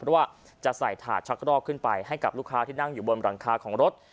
เพราะว่าจะใส่ถาดชักรอกขึ้นไปให้กับลูกค้าที่นั่งอยู่บนหลังคาของรถ